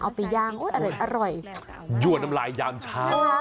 เอาไปย่างอุ๊ยอร่อยอร่อยจุ๊บยั่วนำลายยามช้า